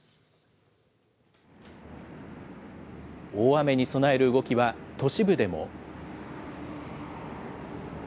大雨に備える動きは都市部でも。